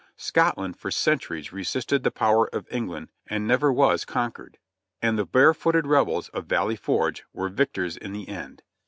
Scotland for centuries resisted the power of England and never was conquered ; and the barefooted rebels of Valley Forge were victors in the end.